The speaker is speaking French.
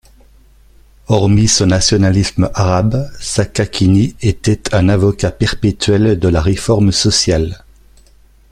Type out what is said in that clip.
Hormis son nationalisme arabe, Sakakini était un avocat perpétuel de la réforme sociale.